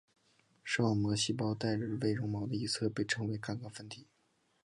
视网膜细胞带微绒毛的一侧称为感杆分体。